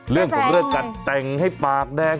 เรื่องของเรื่องการแต่งให้ปากแดง